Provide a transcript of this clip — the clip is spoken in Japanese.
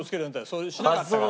そういうのしなかったから。